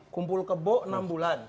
kumpul kebo enam bulan